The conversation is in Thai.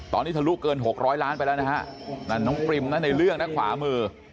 ตอนนี้ทะลุเกินหกร้อยล้านไปแล้วนะฮะนั่นน้องปริมนะในเรื่องนะขวามือ